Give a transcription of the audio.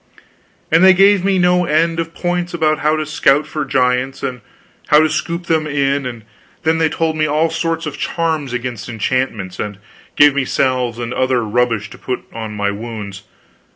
And they gave me no end of points about how to scout for giants, and how to scoop them in; and they told me all sorts of charms against enchantments, and gave me salves and other rubbish to put on my wounds.